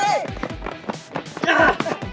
ini dia obat galau